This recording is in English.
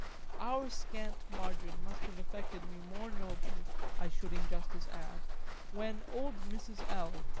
Our scant margin must have affected me more nobly, I should in justice add, when old Mrs. L.